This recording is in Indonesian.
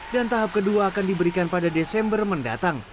dan tahap kedua akan diberikan pada desember mendatang